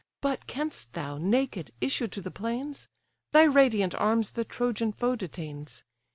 But canst thou, naked, issue to the plains? Thy radiant arms the Trojan foe detains.